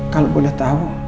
kalau boleh tau